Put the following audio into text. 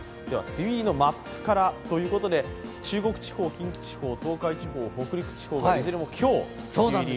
梅雨入りのマップからということで中国地方、近畿地方、東海地方、北陸地方、いずれも今日、梅雨入り。